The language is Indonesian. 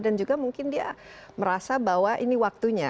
dan juga mungkin dia merasa bahwa ini waktunya